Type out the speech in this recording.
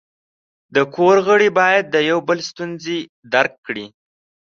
د کور غړي باید د یو بل ستونزې درک کړي.